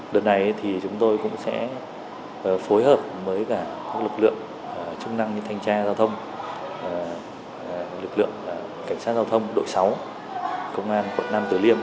đợt này thì chúng tôi cũng sẽ phối hợp với cả các lực lượng chức năng như thanh tra giao thông lực lượng cảnh sát giao thông đội sáu công an quận nam tử liêm